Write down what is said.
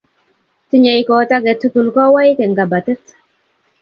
Tinyei koot age tugul kowoik eng' kabatit